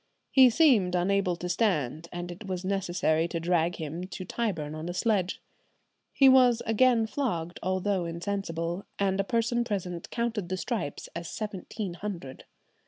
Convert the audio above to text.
He seemed unable to stand, and it was necessary to drag him to Tyburn on a sledge." He was again flogged, although insensible, and a person present counted the stripes as seventeen hundred.